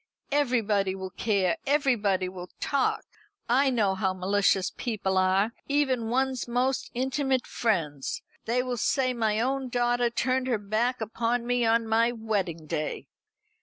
"Everybody will care everybody will talk. I know how malicious people are, even one's most intimate friends. They will say my own daughter turned her back upon me on my wedding day."